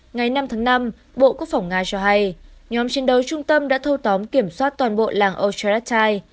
ngày năm tháng năm bộ quốc phòng nga cho hay nhóm chiến đấu trung tâm đã thâu tóm kiểm soát toàn bộ làng ocharatite